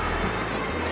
jangan makan aku